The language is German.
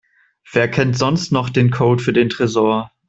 Wer kennt sonst noch den Code für den Tresor?